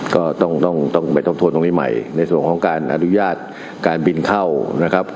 ก็ต้องต้องไปทบทวนตรงนี้ใหม่ในส่วนของการอนุญาตการบินเข้านะครับ